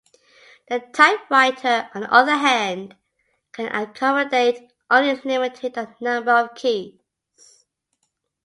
The typewriter, on the other hand, can accommodate only a limited number of keys.